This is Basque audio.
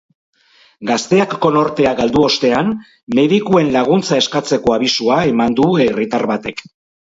Gazteak konortea galdu ostean, medikuen laguntza eskatzeko abisua eman du herritar batek.